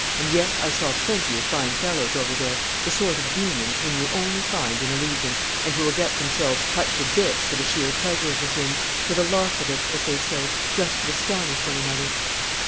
And yet I saw plenty of fine fellows over there, the sort of demons whom you only find in the Legion and who will get themselves cut to bits for the sheer pleasure of the thing, for the lark of it, as they say, just to astonish one another.